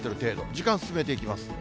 時間進めていきます。